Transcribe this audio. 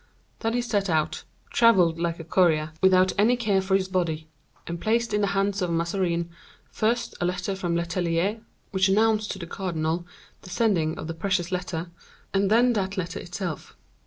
Then he set out, traveled like a courier, without any care for his body, and placed in the hands of Mazarin, first a letter from Letellier, which announced to the cardinal the sending of the precious letter, and then that letter itself.